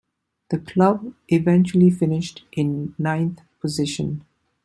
The club eventually finished in ninth position.